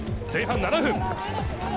前半７分。